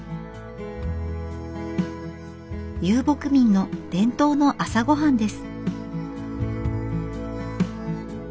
遊牧民の伝統の朝ごはんです。